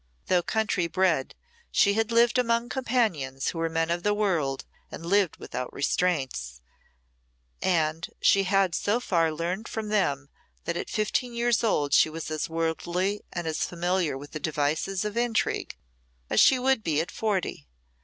Though country bred, she had lived among companions who were men of the world and lived without restraints, and she had so far learned from them that at fifteen years old she was as worldly and as familiar with the devices of intrigue as she would be at forty.